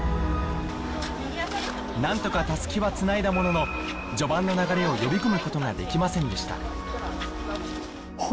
何とか襷はつないだものの序盤の流れを呼び込むことができませんでした